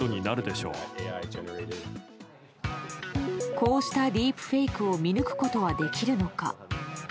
こうしたディープフェイクを見抜くことはできるのか。